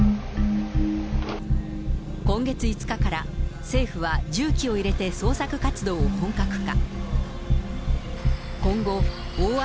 今月５日から政府は重機を入れて捜索活動を本格化。